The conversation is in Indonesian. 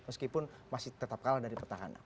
meskipun masih tetap kalah dari pertahanan